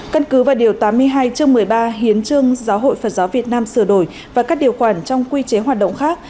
căn cứ vào điều tám mươi hai chương một mươi ba hiến trương giáo hội phật giáo việt nam sửa đổi và các điều khoản trong quy chế hoạt động khác